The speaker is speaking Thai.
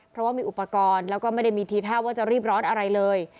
เพราะว่ามีอุปกรณ์แล้วก็ไม่ได้มีทีท่าว่าจะรีบร้อนอะไรเลย